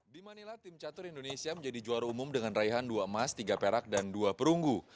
di manila tim catur indonesia menjadi juara umum dengan raihan dua emas tiga perak dan dua perunggu